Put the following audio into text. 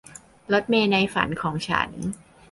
รถเมล์ในฝันของฉัน